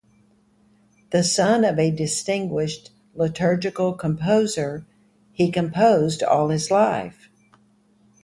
The son of a distinguished liturgical composer, he composed all his life.